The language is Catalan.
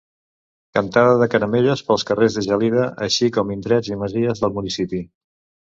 Cantada de caramelles pels carrers de Gelida, així com indrets i masies del municipi.